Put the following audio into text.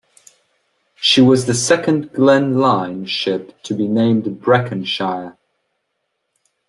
She was the second Glen Line ship to be named "Breconshire".